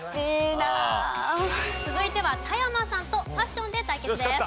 続いては田山さんとファッションで対決です。